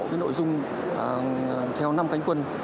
với nội dung theo năm cánh quân